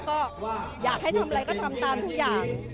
ก็อยากให้ทำอะไรก็ทำตามทุกอย่าง